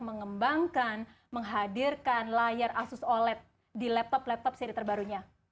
mengembangkan menghadirkan layar asus oled di laptop laptop seri terbarunya kita kenapa kita